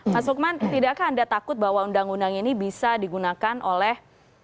mas lukman tidakkah anda takut bahwa undang undang ini bisa digunakan oleh